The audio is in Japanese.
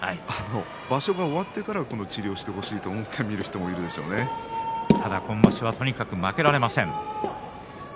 場所が終わってから治療をしてほしいと今場所はまだ負けられません。